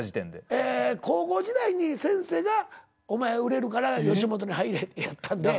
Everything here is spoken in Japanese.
ええ高校時代に先生が「お前売れるから吉本に入れ」やったんで。